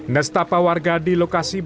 nestafa warga di lokasi bencana tanah longsor